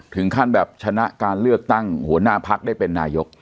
ถึงขั้นแบบชนะการเลือกตั้งหัวหน้าพักได้เป็นนายก